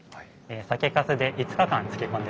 酒かすで５日間漬け込んでいます。